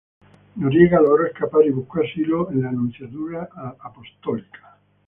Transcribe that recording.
Noriega logró escapar y buscó asilo en la Nunciatura Apostólica.